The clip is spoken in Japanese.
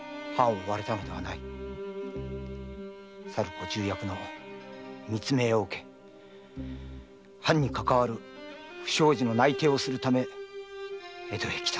ご重役の密命を受け藩にかかわる不祥事の内偵のため江戸へ来た。